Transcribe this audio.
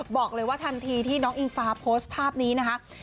บอกเลยว่าทันทีที่น้องอิงฟ้าโพสต์ภาพนี้นะคะ